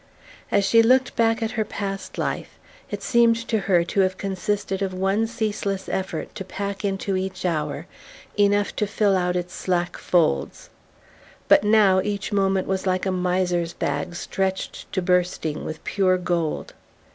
As she looked back at her past life, it seemed to her to have consisted of one ceaseless effort to pack into each hour enough to fill out its slack folds; but now each moment was like a miser's bag stretched to bursting with pure gold.